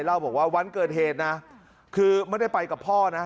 เล่าบอกว่าวันเกิดเหตุนะคือไม่ได้ไปกับพ่อนะ